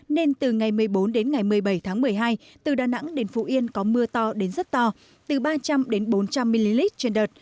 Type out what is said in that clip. nên từ ngày một mươi bốn đến ngày một mươi bảy tháng một mươi hai từ đà nẵng đến phú yên có mưa to đến rất to từ ba trăm linh bốn trăm linh ml trên đợt